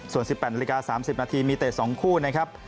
ส่วน๑๘น๓๐นมีแต่๒คู่นะครับ